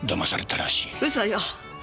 嘘よ！